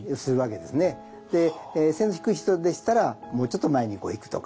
で背の低い人でしたらもうちょっと前にこう行くとか。